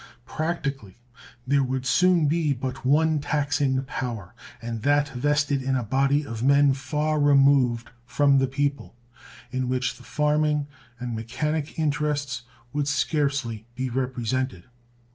Practically there would soon be but one taxing power, and that vested in a body of men far removed from the people, in which the farming and mechanic interests would scarcely be represented.